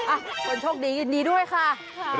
อ่ะคนโชคดีดีด้วยค่ะ